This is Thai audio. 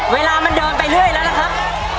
เวลามันเดินไปเรื่อยแล้วล่ะครับ